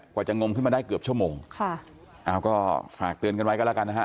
กว่าจะงมขึ้นมาได้เกือบชั่วโมงค่ะเอาก็ฝากเตือนกันไว้ก็แล้วกันนะฮะ